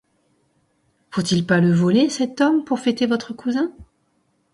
Faut-il pas le voler, cet homme, pour fêter votre cousin?